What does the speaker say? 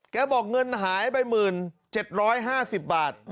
แกบอกเงินหายไปหมื่น๗๕๐บาท